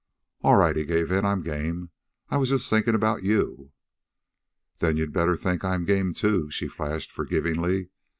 "All right," he gave in. "I'm game. I was just thinkin' about you." "Then you'd better think I'm game, too," she flashed forgivingly.